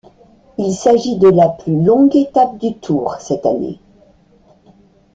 Il s'agit de la plus longue étape du Tour cette année.